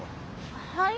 はい？